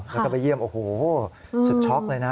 แล้วก็ไปเยี่ยมโอ้โหสุดช็อกเลยนะ